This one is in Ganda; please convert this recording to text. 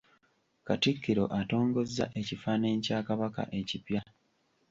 Katikkiro atongozza ekifaananyi kya Kabaka ekipya.